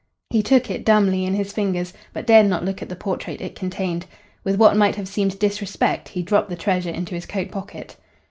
He took it dumbly in his fingers, but dared not look at the portrait it contained. With what might have seemed disrespect he dropped the treasure into his coat pocket.